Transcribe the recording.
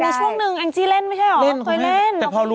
ไม่แต่มีช่วงนึงอั็มจี้เล่นไม่ใช่เหรอ